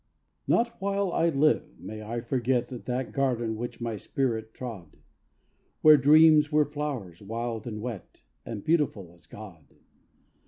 _Not while I live may I forget That garden which my spirit trod! Where dreams were flowers, wild and wet, And beautiful as God.